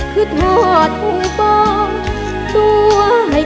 ภูมิสุภาพยาบาลภูมิสุภาพยาบาล